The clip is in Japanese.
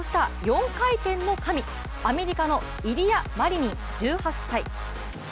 ４回転の神アメリカのイリア・マリニン１８歳。